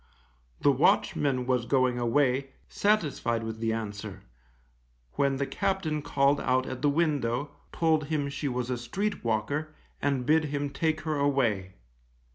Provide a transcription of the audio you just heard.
The watchman was going away, satisfied with the answer, when the captain called out at the window, told him she was a street walker, and bid him take her away.